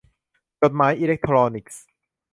จดหมายอิเล็กทรอนิกส์